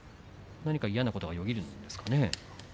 何か嫌なことがよぎるんですかね。